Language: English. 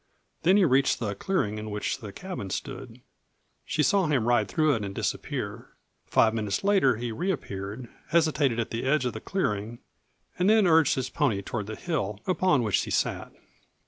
Then he reached the clearing in which the cabin stood; she saw him ride through it and disappear. Five minutes later he reappeared, hesitated at the edge of the clearing and then urged his pony toward the hill upon which she sat.